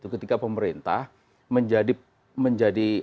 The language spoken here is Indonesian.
ketika pemerintah menjadi